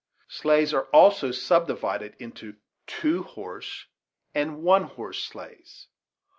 Sleighs are also subdivided into two horse and one horse sleighs.